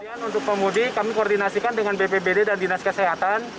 kemudian untuk pemudik kami koordinasikan dengan bpbd dan dinas kesehatan